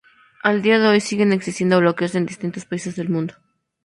A día de hoy siguen existiendo bloqueos en distintos países del mundo.